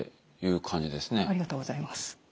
ありがとうございます。